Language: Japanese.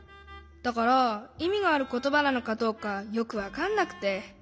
だからいみがあることばなのかどうかよくわかんなくて。